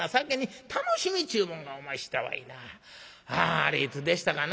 ああれいつでしたかな？